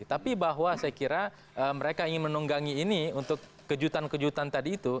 tapi bahwa saya kira mereka ingin menunggangi ini untuk kejutan kejutan tadi itu